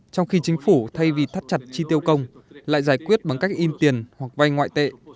trong khi chính phủ thay vì thắt chặt chi tiêu công lại giải quyết bằng cách in tiền hoặc vay ngoại tệ